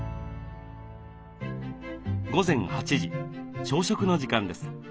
午前８時朝食の時間です。